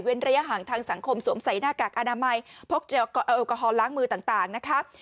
ระยะห่างทางสังคมสวมใส่หน้ากากอนามัยพกอฮอลล้างมือต่างนะคะ